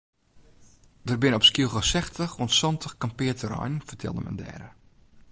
Der binne op Skylge sechstich oant santich kampearterreinen fertelde men dêre.